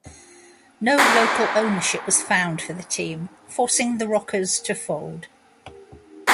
No local ownership was found for the team, forcing the Rockers to fold.